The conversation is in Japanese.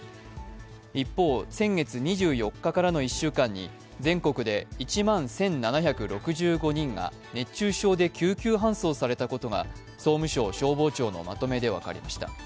一方、先月２４日からの１週間に全国で１万１７６５人が熱中症で救急搬送されたことが総務省消防庁のまとめで分かりました。